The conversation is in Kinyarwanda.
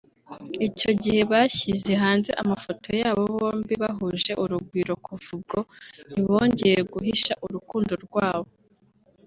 Icyo gihe bashyize hanze amafoto yabo bombi bahuje urugwiro kuva ubwo ntibongera guhisha urukundo rwabo